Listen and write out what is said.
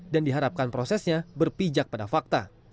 dan diharapkan prosesnya berpijak pada fakta